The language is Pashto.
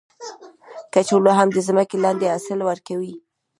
کچالو هم د ځمکې لاندې حاصل ورکوي